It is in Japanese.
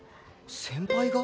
先輩が？